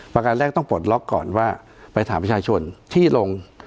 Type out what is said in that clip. ประการแรกต้องปลดล็อกก่อนว่าไปถามประชาชนที่ลง